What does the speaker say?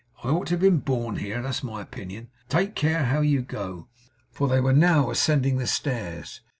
I ought to have been born here; that's my opinion. Take care how you go' for they were now ascending the stairs.